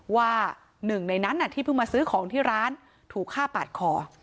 ว่าหนึ่งในนั้นที่เพิ่งมาซื้อของที่ร้านถูกฆ่าปาดคอ